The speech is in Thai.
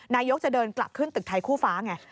นายกจะเดินกลับขึ้นตึกไทยคู่ฟ้าไง